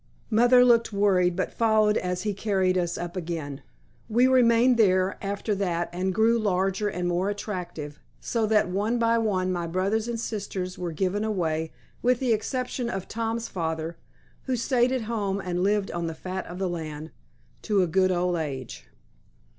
Mother looked worried, but followed as he carried us up again. We remained there after that and grew larger and more attractive, so that one by one my brothers and sisters were given away, with the exception of Tom's father (who stayed at home and lived on the fat of the land, to a good old age).